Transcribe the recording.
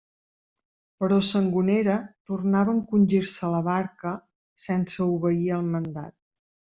Però Sangonera tornava a encongir-se a la barca sense obeir el mandat.